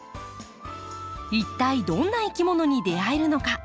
一体どんないきものに出会えるのか。